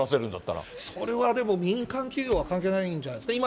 それはでも、民間企業は関係ないんじゃないんですか。